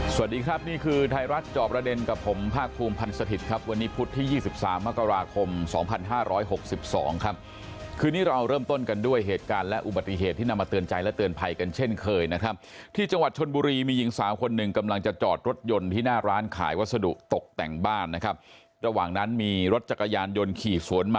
สวัสดีครับนี่คือไทยรัฐจอบประเด็นกับผมภาคภูมิพันธ์สถิตย์ครับวันนี้พุธที่๒๓มกราคม๒๕๖๒ครับคืนนี้เราเริ่มต้นกันด้วยเหตุการณ์และอุบัติเหตุที่นำมาเตือนใจและเตือนภัยกันเช่นเคยนะครับที่จังหวัดชนบุรีมีหญิงสาวคนหนึ่งกำลังจะจอดรถยนต์ที่หน้าร้านขายวัสดุตกแต่งบ้านนะครับระหว่างนั้นมีรถจักรยานยนต์ขี่สวนมา